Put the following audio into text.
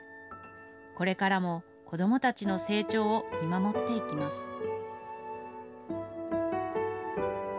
これからも子どもたちの成長を見守っていきます。